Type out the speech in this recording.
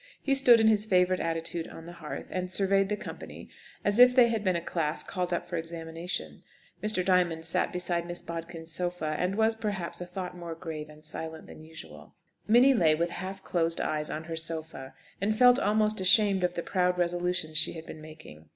He stood in his favourite attitude on the hearth, and surveyed the company as if they had been a class called up for examination. Mr. Diamond sat beside Miss Bodkin's sofa, and was, perhaps, a thought more grave and silent than usual. Minnie lay with half closed eyes on her sofa, and felt almost ashamed of the proud resolutions she had been making.